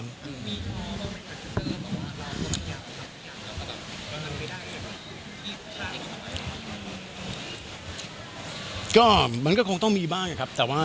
เหมือนกันมันคงต้องมีบ้าง่าครับ